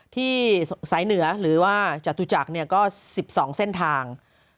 ที่ไหนเหนือหรือจะตัวจาก๑๒เส้นทาง